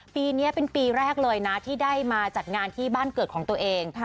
ปีนี้เป็นปีแรกเลยนะที่ได้มาจัดงานที่บ้านเกิดของตัวเอง